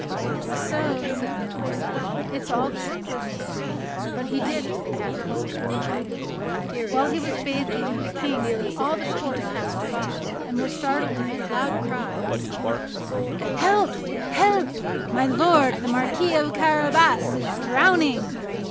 "Just so," said the miller's son, "it's all the same to me;" but he did as the cat told him. While he was bathing, the King and all the court passed by, and were startled to hear loud cries of "Help! help! my lord the Marquis of Carabas is drowning."